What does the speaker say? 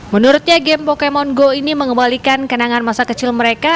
menurutnya game pokemon go ini mengembalikan kenangan masa kecil mereka